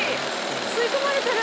吸い込まれてる。